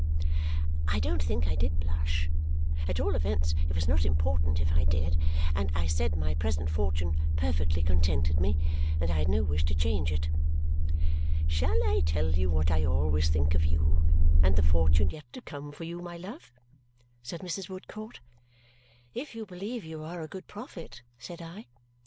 I don't think I did blush at all events, it was not important if I did and I said my present fortune perfectly contented me and I had no wish to change it. "Shall I tell you what I always think of you and the fortune yet to come for you, my love?" said Mrs. Woodcourt. "If you believe you are a good prophet," said I.